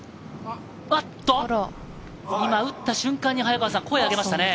今、撃った瞬間に声を上げましたね。